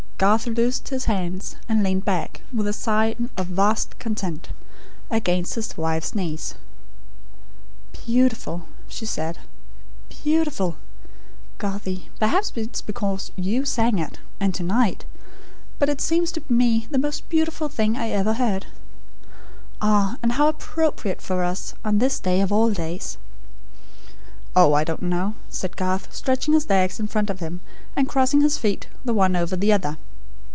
Garth loosed his hands, and leaned back, with a sigh of vast content, against his wife's knees. "Beautiful!" she said. "Beautiful! Garthie perhaps it is because YOU sang it; and to night; but it seems to me the most beautiful thing I ever heard. Ah, and how appropriate for us; on this day, of all days." "Oh, I don't know," said Garth, stretching his legs in front of him, and crossing his feet the one over the other.